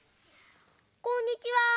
こんにちは。